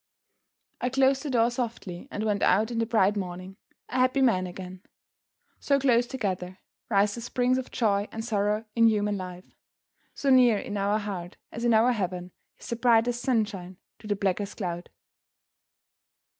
I closed the door softly and went out in the bright morning, a happy man again. So close together rise the springs of joy and sorrow in human life! So near in our heart, as in our heaven, is the brightest sunshine to the blackest cloud!